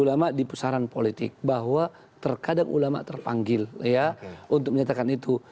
ulama di pusaran politik bahwa terkadang ulama terpanggil untuk menyatakan itu